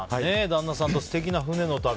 旦那さんと素敵な船の旅。